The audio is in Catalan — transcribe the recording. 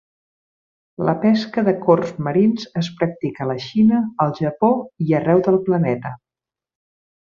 La pesca de corbs marins es practica a la Xina, al Japó i arreu del planeta.